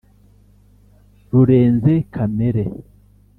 Rurenze kamere